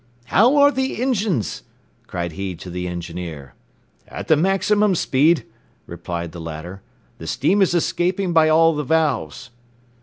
"How are the engines?" cried he to the engineer. "At the maximum speed," replied the latter; "the steam is escaping by all the valves."